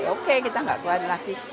oke kita gak keluarin lagi